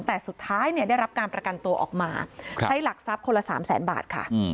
แต่สุดท้ายได้รับการประกันตัวออกมาใช้หลักทรัพย์คนละ๓แสนบาทค่ะ